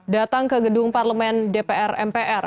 datang ke gedung parlemen dpr mpr